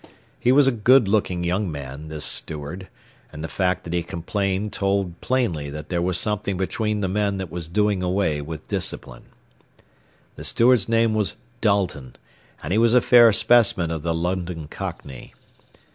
He was a good looking young man, this steward, and the fact that he complained told plainly that there was something between the men that was doing away with discipline. The steward's name was Dalton, and he was a fair specimen of the London cockney.